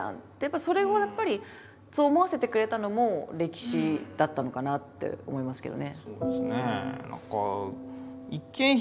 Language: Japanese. それをやっぱりそう思わせてくれたのも歴史だったのかなって思いますけどね。